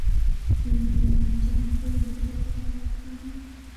د رومي بانجان ګل د څه لپاره وکاروم؟